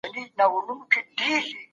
که د وخت پابندي زیاته وي.